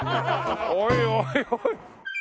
おいおいおい。